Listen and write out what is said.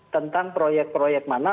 tentang proyek proyek mana